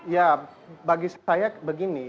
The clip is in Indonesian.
ya bagi saya begini